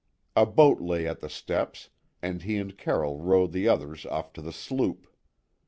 A boat lay at the steps, and he and Carroll rowed the others off to the sloop.